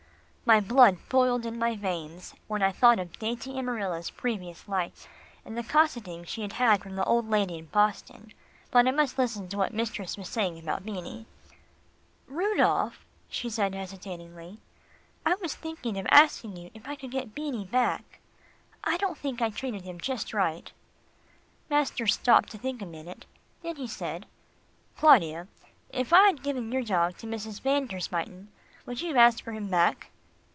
My blood boiled in my veins, when I thought of dainty Amarilla's previous life, and the cosseting she had had from the old lady in Boston, but I must listen to what mistress was saying about Beanie. "Rudolph," she said hesitatingly, "I was thinking of asking you if I could get Beanie back. I don't think I treated him just right." Master stopped to think a minute, then he said, "Claudia, if I had given your dog to Mrs. van der Spyten, would you have asked for him back?"